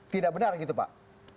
tidak benar gitu pak